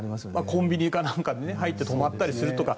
コンビニかなんかに入って止まったりするとか。